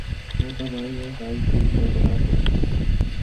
وہ تب I S I کے سربراہ تھے۔